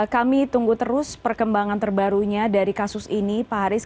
kami tunggu terus perkembangan terbarunya dari kasus ini pak haris